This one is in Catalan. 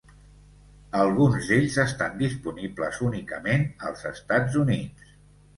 Alguns d'ells estan disponibles únicament als Estats Units.